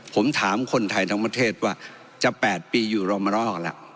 ผมถามคนไทยทั้งว่าจะ๘ปีอยู่รอมารอกละ